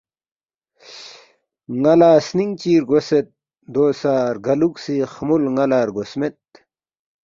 نالا سنینگ چی رگوسید دوسہ رگالوکھسی خمول نالا رگوسمید